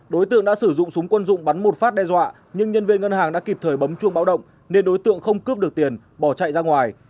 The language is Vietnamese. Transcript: đối tượng đã sử dụng súng quân dụng bắn một phát đe dọa nhưng nhân viên ngân hàng đã kịp thời bấm chuông báo động nên đối tượng không cướp được tiền bỏ chạy ra ngoài